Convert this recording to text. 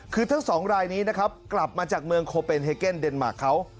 คือทั้งสองรายนี้นะครับกลับมาจากเมืองโคเปนเฮเกนเดนมาร์คเขา